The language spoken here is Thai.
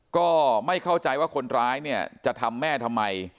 ก็ไม่เข้าใจว่าคนร้ายเนี่ยจะทำแม่ทำไม